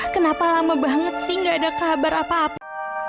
kenapa lama banget sih gak ada kabar apa apa